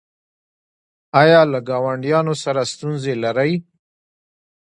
ایا له ګاونډیانو سره ستونزې لرئ؟